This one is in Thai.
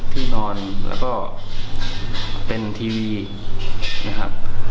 ที่นอนแล้วก็เป็นทีวีนะครับ